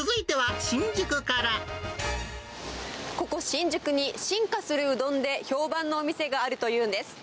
ここ新宿に、進化するうどんで評判のお店があるというんです。